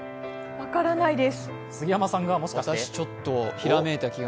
分からないです。